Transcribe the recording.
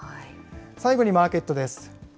最後にマーケットです。